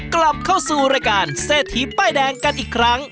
กลับเข้าสู่รายการเศรษฐีป้ายแดงกันอีกครั้ง